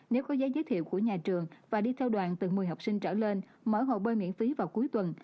nếu có giấy giới thiệu của nhà trường và đi theo đoàn từ một mươi học sinh trở lên mở hồ bơi miễn phí vào cuối tuần